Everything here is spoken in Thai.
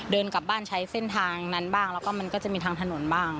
เดินกลับบ้านใช้เส้นทางนั้นบ้างแล้วก็มันก็จะมีทางถนนบ้าง